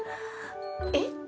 えっ？